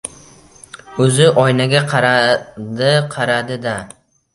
O‘zi oynaga qaradi-qaradi-da: